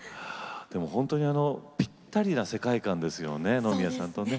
でもほんとにぴったりな世界観ですよね野宮さんとね。